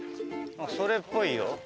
それっぽいよ。